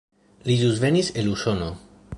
Li ĵus venis el Usono.